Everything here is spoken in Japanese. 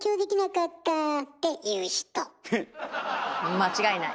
間違いない！